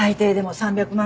３００万よ。